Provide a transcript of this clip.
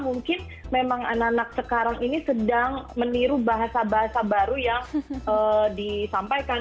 mungkin memang anak anak sekarang ini sedang meniru bahasa bahasa baru yang disampaikan